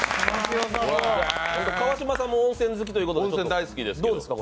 川島さんも温泉好きということでどうですか？